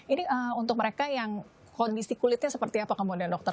ini untuk mereka yang kondisi kulitnya seperti apa kemudian dokter